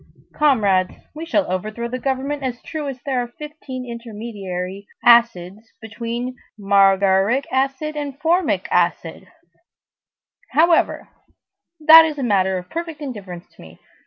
Comrades, we shall overthrow the government as true as there are fifteen intermediary acids between margaric acid and formic acid; however, that is a matter of perfect indifference to me.